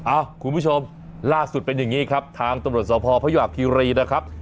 อ้าวคุณผู้ชมล่าสุดเป็นอย่างนี้ครับทางตรวจสอบพอพยาบภิรีนะครับ